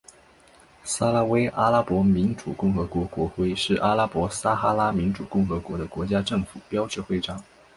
撒拉威阿拉伯民主共和国国徽是阿拉伯撒哈拉民主共和国的国家政府标志徽章。